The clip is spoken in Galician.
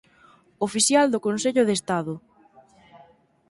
Oficial do Consello de Estado.